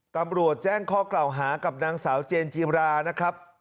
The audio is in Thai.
ตำรวจแจ้งข้อกล่าวหากับนางสาวเจนจีมรานะครับ